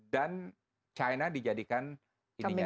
dan china dijadikan ini ini